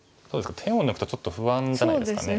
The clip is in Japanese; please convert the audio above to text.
手を抜くとちょっと不安じゃないですかね。